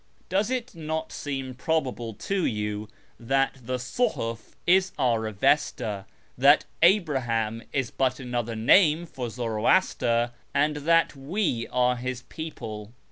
Does it not seem probable to you tliat the Suhuf is our Avesta, that Abraham is but another name for Zoroaster, and that we are his people